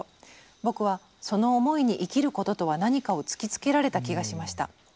僕はその思いに生きることとは何かを突きつけられた気がしました。